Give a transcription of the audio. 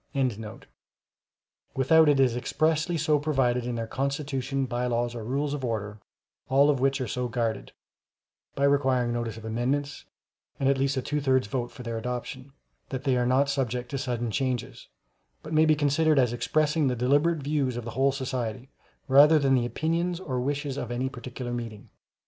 ] without it is expressly so provided in their Constitution, Bylaws, or Rules of Order, all of which are so guarded (by requiring notice of amendments, and at least a two thirds vote for their adoption) that they are not subject to sudden changes, but may be considered as expressing the deliberate views of the whole society, rather than the opinions or wishes of any particular meeting.